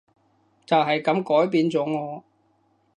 就係噉改變咗我